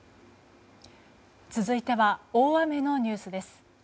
続いては大雨のニュースです。